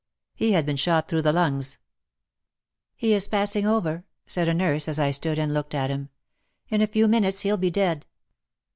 He had been shot through the lungs. '* He is passing over," said a nurse as I stood and looked at him. '* In a few minutes he'll be dead."